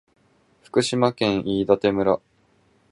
福島県飯舘村